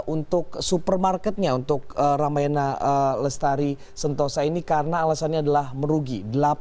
untuk supermarketnya untuk ramayana lestari sentosa ini karena alasannya adalah merugi